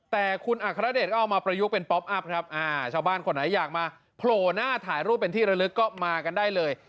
แต่คุณอัครเดชก็เอามาประยุกต์เป็นป๊อปอัพครับชาวบ้านคนไหนอยากมาโผล่หน้าถ่ายรูปเป็นที่ระลึกก็มากันได้เลย